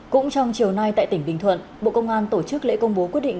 cũng trong chiều nay tại tỉnh bình thuận bộ công an tổ chức lễ công bố quyết định